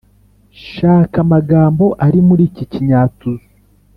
Shaka amagambo ari muri iki kinyatuzu